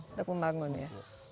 untuk membangun ya